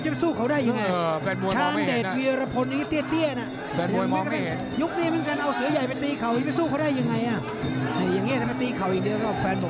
แฟนมวยมอบไม่เห็น